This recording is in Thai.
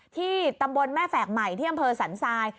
ที่ตำบลแม่แฝกใหม่ที่อำเภอสันทราย